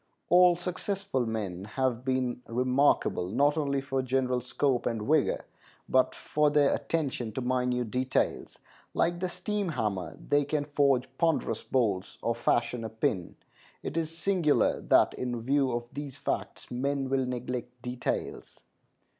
All successful men have been remarkable, not only for general scope and vigor, but for their attention to minute details. Like the steam hammer, they can forge ponderous bolts or fashion a pin. It is singular that in view of these facts men will neglect details.